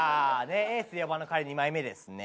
エースで四番の彼２枚目ですね。